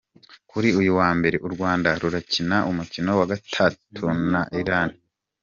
Kuri uyu wa mbere, u Rwanda rurakina umukino wa gatatu na Iran.